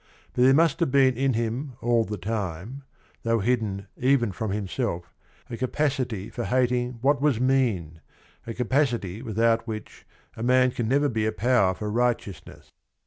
But there must have been in him all the time, though hidden even from himself, a capacity for hating what was mean, a capacity without which a man can never be a power for righteousness.